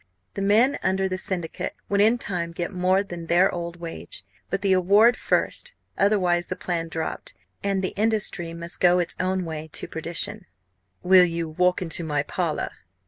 The men under the syndicate would in time get more than their old wage. But the award first; otherwise the plan dropped, and the industry must go its own way to perdition. "'Will you walk into my parlour?'"